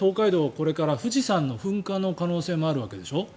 これから富士山の噴火の可能性もあるわけでしょ？